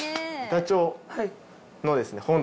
板長のですね